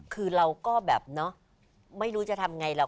คือเราก็แบบเนอะไม่รู้จะทำไงหรอก